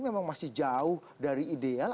memang masih jauh dari ideal